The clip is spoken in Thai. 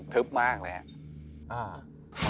ทึบมากเลยอ่ะ